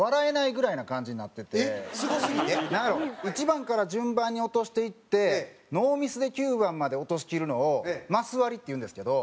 １番から順番に落としていってノーミスで９番まで落としきるのをマスワリっていうんですけど。